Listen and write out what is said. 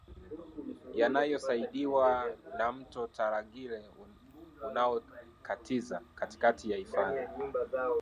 yanayosaidiwa na Mto Tarangire unaokatiza katikati ya hifadhi